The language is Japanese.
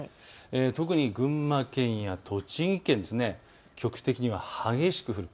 特に群馬県や栃木県、局地的には激しく降る。